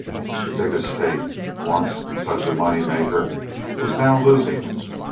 The big estate, once such a money maker, was now losing.